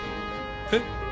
えっ？